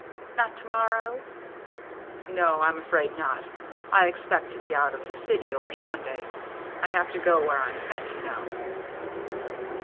" Not to morrow ?"" No, I'm afraid not. I expect to be out of the city over Sunday. I have to go where I'm sent, you know."